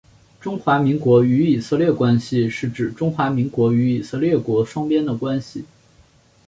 中华民国与以色列关系是指中华民国与以色列国双边的关系。